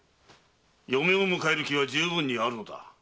嫁を迎える気は充分にあるのだ。